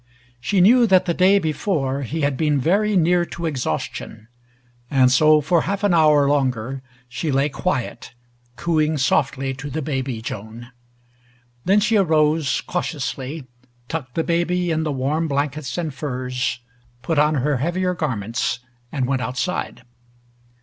She knew that the day before he had been very near to exhaustion, and so for half an hour longer she lay quiet, cooing softly to the baby Joan. Then she arose cautiously, tucked the baby in the warm blankets and furs, put on her heavier garments, and went outside.